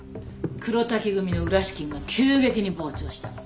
黒瀧組の裏資金が急激に膨張した。